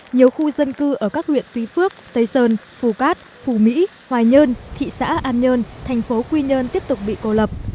nhiều khu dân cư ở các huyện tuy phước tây sơn phù cát phù mỹ hoài nhơn thị xã an nhơn thành phố quy nhơn tiếp tục bị cô lập